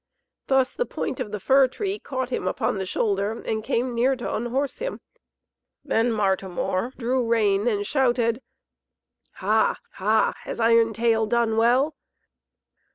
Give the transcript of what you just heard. Thus the point of the fir tree caught him upon the shoulder and came near to unhorse him. Then Martimor drew rein and shouted: "Ha! ha! has Iron Tail done well?"